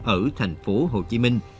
ở thành phố hồ chí minh